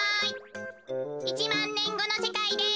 １まんねんごのせかいです。